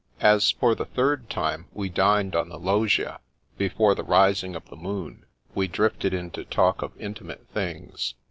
As, for the third time, we dined on the loggia, before the rising of the moon, we drifted into talk of intimate things.